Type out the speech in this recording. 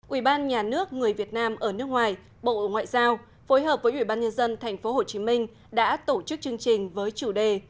ủy ban nhà nước người việt nam ở nước ngoài bộ ngoại giao phối hợp với ủy ban nhân dân tp hcm đã tổ chức chương trình với chủ đề